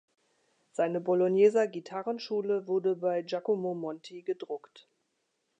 Seine Bologneser Gitarrenschule wurde bei Giacomo Monti gedruckt.